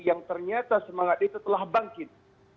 yang ternyata semangat itu telah bangkit